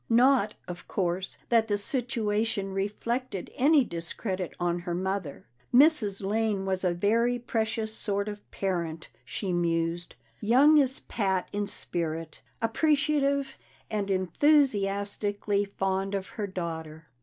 Not, of course, that the situation reflected any discredit on her mother. Mrs. Lane was a very precious sort of parent, she mused, young as Pat in spirit, appreciative and enthusiastically fond of her daughter.